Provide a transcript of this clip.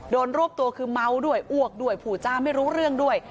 รวบตัวคือเมาด้วยอ้วกด้วยผูจ้าไม่รู้เรื่องด้วย